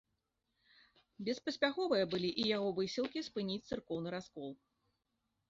Беспаспяховыя былі і яго высілкі спыніць царкоўны раскол.